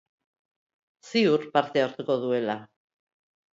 Ziur parte hartuko duela.